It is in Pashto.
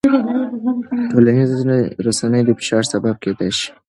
ټولنیزې رسنۍ د فشار سبب کېدای شي.